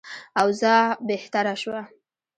اوضاع بهتره شوه.